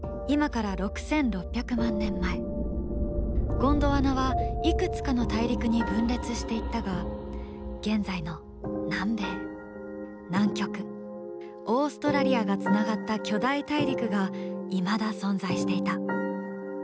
ゴンドワナはいくつかの大陸に分裂していったが現在の南米南極オーストラリアがつながった巨大大陸がいまだ存在していた。